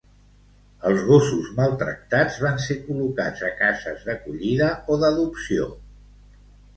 Els gossos maltractats van ser col·locats a cases d'acollida o d'adopció.